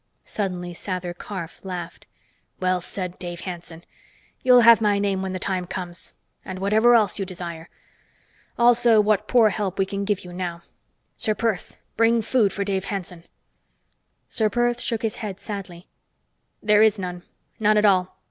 Suddenly Sather Karf laughed. "Well said, Dave Hanson. You'll have my name when the time comes. And whatever else you desire. Also what poor help we can give you now. Ser Perth, bring food for Dave Hanson!" Ser Perth shook his head sadly. "There is none. None at all.